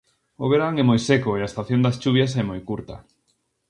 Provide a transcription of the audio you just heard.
O verán é moi seco e a estación das chuvias é moi curta.